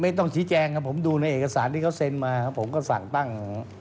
ต้องชี้แจงครับผมดูในเอกสารที่เขาเซ็นมาผมก็สั่งตั้ง